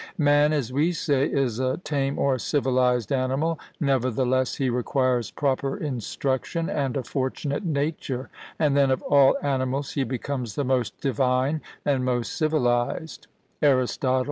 Man, as we say, is a tame or civilized animal; nevertheless, he requires proper instruction and a fortunate nature, and then of all animals he becomes the most divine and most civilized (Arist.